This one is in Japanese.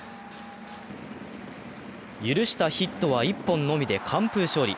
許したヒットは１本のみで完封勝利。